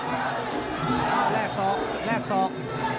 แรกซอกแรกซอก